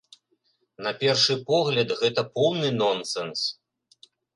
На першы погляд, гэта поўны нонсенс.